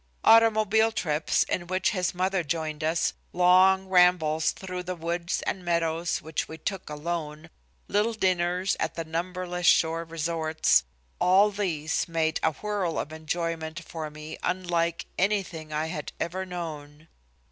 Automobile trips, in which his mother joined us, long rambles through the woods and meadows which we took alone, little dinners at the numberless shore resorts, all these made a whirl of enjoyment for me unlike anything I had ever known.